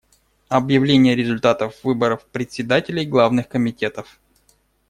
Объявление результатов выборов председателей главных комитетов.